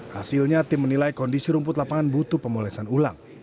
hasilnya tim menilai kondisi rumput lapangan butuh pemolesan ulang